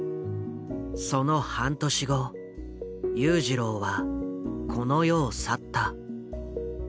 その半年後裕次郎はこの世を去った。